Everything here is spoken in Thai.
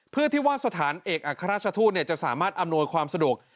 เพื่อที่ว่าสถานเอกอัครราชทูตจะสามารถอำนวยความสะดวก